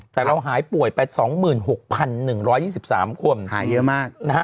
แต่เราหายป่วยไป๒๖๑๒๓คนหายเยอะมากนะฮะ